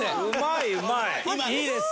いいです。